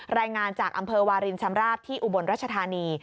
รายงานจากอำเภอวารินชำราบที่อุบลรัชธานี